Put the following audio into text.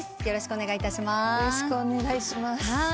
よろしくお願いします。